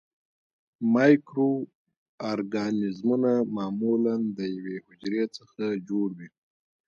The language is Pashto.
مایکرو ارګانیزمونه معمولاً د یوې حجرې څخه جوړ وي.